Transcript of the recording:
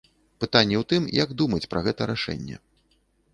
Пытанне ў тым, як думаць пра гэта рашэнне.